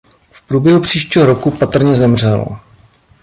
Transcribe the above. V průběhu příštího roku patrně zemřel.